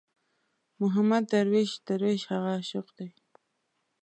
محمود درویش، درویش هغه عاشق دی.